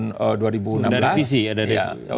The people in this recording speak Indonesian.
sudah ada revisi ya